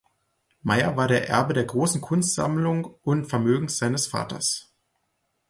Meyer war der Erbe der großen Kunstsammlung und Vermögens seines Vaters.